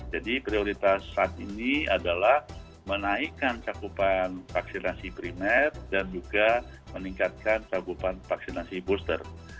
jadi prioritas saat ini adalah menaikkan cakupan vaksinasi primer dan juga meningkatkan cakupan vaksinasi booster